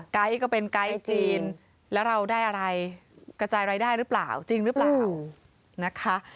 ไดก็เป็นไกด์จีนแล้วเราได้อะไรกระจายรายได้หรือเปล่าจริงหรือเปล่านะคะ